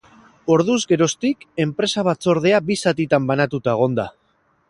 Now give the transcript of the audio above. Orduz geroztik, enpresa-batzordea bi zatitan banatuta egon da.